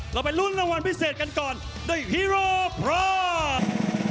เราไปรุ่นรางวัลพิเศษกันก่อนโดยฮีโรพราส